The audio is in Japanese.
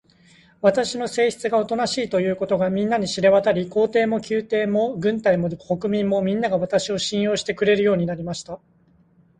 私の性質がおとなしいということが、みんなに知れわたり、皇帝も宮廷も軍隊も国民も、みんなが、私を信用してくれるようになりました。